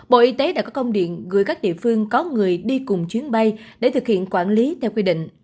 bộ y tế đã có công điện gửi các địa phương có người đi cùng chuyến bay để thực hiện quản lý theo quy định